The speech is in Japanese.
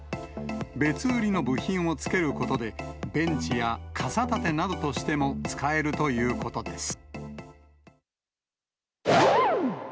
別売りの部品をつけることで、ベンチや傘立てなどとしても使えるということです。